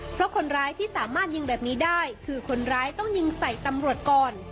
เพราะคนร้ายที่สามารถยิงแบบนี้ได้คือคนร้ายต้องยิงใส่ตำรวจก่อน